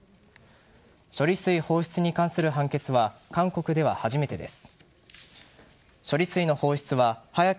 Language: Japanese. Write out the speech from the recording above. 処理水放出に関する判決は韓国では初めてです。